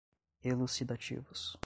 elucidativos